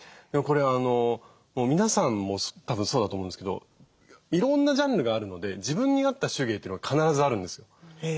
これは皆さんもたぶんそうだと思うんですけどいろんなジャンルがあるので自分に合った手芸というのが必ずあるんですよ。